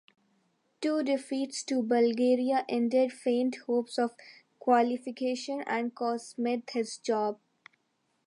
Two defeats to Bulgaria ended faint hopes of qualification and cost Smith his job.